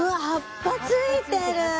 葉っぱついてる！